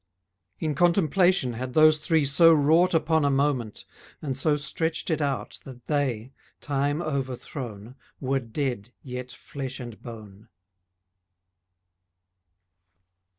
In contemplation had those three so wrought Upon a moment, and so stretched it out That they, time overthrown, Were dead yet flesh and bone.